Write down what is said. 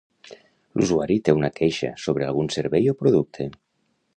L'usuari té una queixa sobre algun servei o producte.